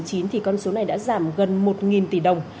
thì con số này đã giảm gần một tỷ đồng